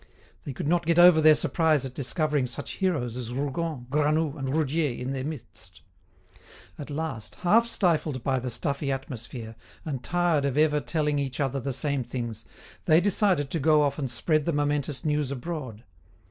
They could not get over their surprise at discovering such heroes as Rougon, Granoux, and Roudier in their midst. At last, half stifled by the stuffy atmosphere, and tired of ever telling each other the same things, they decided to go off and spread the momentous news abroad.